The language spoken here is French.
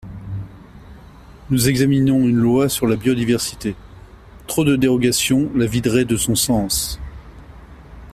Nous examinons une loi sur la biodiversité ; trop de dérogations la videraient de son sens.